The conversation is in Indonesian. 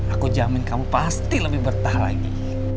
aku jamin kamu pasti lebih bertahan lagi